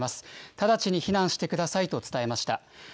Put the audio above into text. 直ちに避難してくださいと伝えました。